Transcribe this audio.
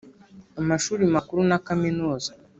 amashuri makuru na Kaminuza.